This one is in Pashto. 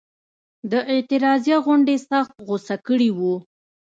د اعتراضیه غونډې سخت غوسه کړي وو.